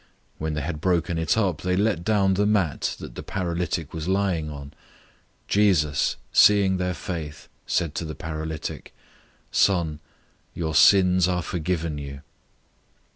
When they had broken it up, they let down the mat that the paralytic was lying on. 002:005 Jesus, seeing their faith, said to the paralytic, "Son, your sins are forgiven you."